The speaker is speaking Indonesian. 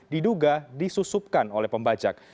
diduga disusupkan oleh pembajak